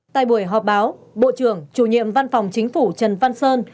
tại buổi họp báo bộ trưởng chủ nhiệm văn phòng chính phủ trần văn sơn